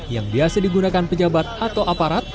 yang biasa digunakan pejabat atau aparat